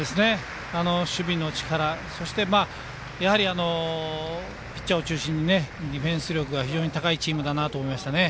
守備の力そしてピッチャーを中心にディフェンス力が非常に高いチームだと思いましたね。